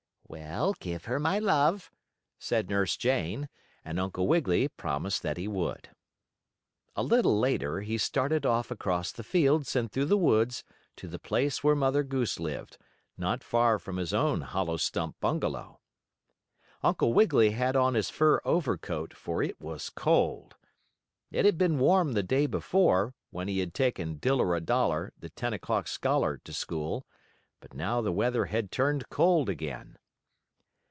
"Well, give her my love," said Nurse Jane, and Uncle Wiggily promised that he would. A little later he started off across the fields and through the woods to the place where Mother Goose lived, not far from his own hollow stump bungalow. Uncle Wiggily had on his fur overcoat, for it was cold. It had been warm the day before, when he had taken Diller a Dollar, the ten o'clock scholar, to school, but now the weather had turned cold again.